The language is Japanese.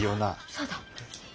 そうだ！